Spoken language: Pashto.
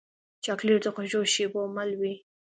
چاکلېټ د خوږو شېبو مل وي.